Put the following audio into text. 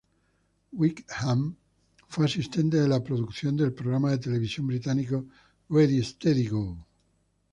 Wickham fue asistente de producción del programa de televisión británico "Ready Steady Go!